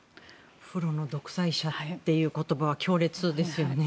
プロの独裁者という言葉は強烈ですよね。